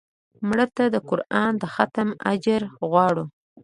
مړه ته د قرآن د ختم اجر غواړو